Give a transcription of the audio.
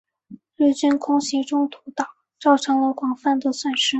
日军空袭中途岛造成了广泛的损失。